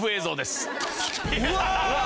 うわ！